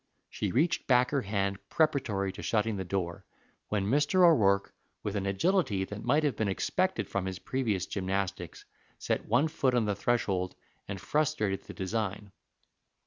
She reached back her hand preparatory to shutting the door, when Mr. O'Rourke, with an agility that might have been expected from his previous gymnastics, set one foot on the threshold and frustrated the design.